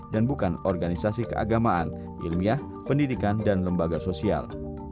dan bukan organisasi keagamaan ilmiah pendidikan dan lembaga sosial